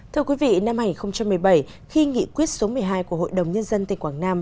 thưa quý vị năm hai nghìn một mươi bảy khi nghị quyết số một mươi hai của hội đồng nhân dân tây quảng nam